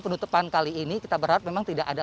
penutupan kali ini kita berharap memang tidak ada